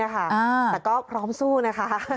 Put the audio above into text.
แต่ก็พร้อมสู้นะคะ